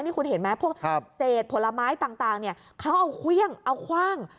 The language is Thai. นี่คุณเห็นไหมพวกเศษผลไม้ต่างเขาเอาเครื่องเอาคว่าง